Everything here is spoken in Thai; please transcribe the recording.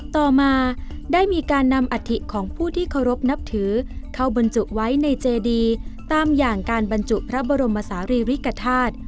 ต่อมาได้มีการนำอัฐิของผู้ที่เคารพนับถือเข้าบรรจุไว้ในเจดีตามอย่างการบรรจุพระบรมศาลีริกฐาตุ